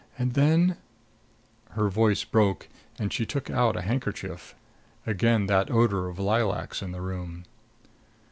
And then " Her voice broke and she took out a handkerchief. Again that odor of lilacs in the room.